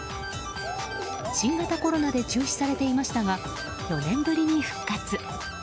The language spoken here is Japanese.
新型コロナで中止されていましたが４年ぶりに復活。